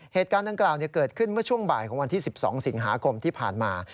เหตุการณ์ดังกล่าวเกิดขึ้นเมื่อช่วงบ่ายของวันที่๑๒สิงหาคมที่ผ่านมา